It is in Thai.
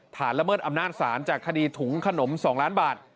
ละเมิดอำนาจศาลจากคดีถุงขนม๒ล้านบาท